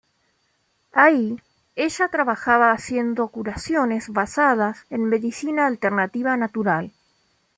Ahí, ella trabajaba haciendo curaciones basadas en medicina alternativa-natural.